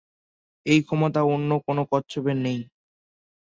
এই ক্ষমতা অন্য কোনো কচ্ছপের নেই।